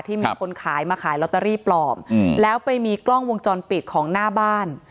มีคนขายมาขายลอตเตอรี่ปลอมแล้วไปมีกล้องวงจรปิดของหน้าบ้าน